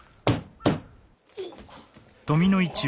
おっ。